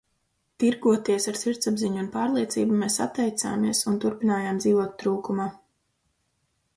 Tirgoties ar sirdsapziņu un pārliecību mēs atteicāmies un turpinājām dzīvot trūkumā.